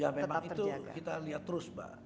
ya memang itu kita lihat terus mbak